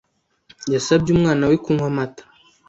Yasabye umwana we kunywa amata.